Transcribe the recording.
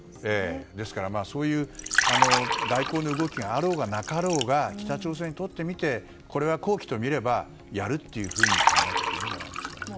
ですからそういう外交の動きがあろうがなかろうが北朝鮮にとってこれは好機とみればやるというふうに考えていいんじゃないですかね。